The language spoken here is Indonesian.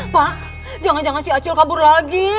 pak jangan jangan si acil kabur lagi